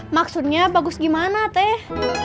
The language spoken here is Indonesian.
maksudnya bagus gimana teh